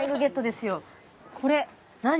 これ何？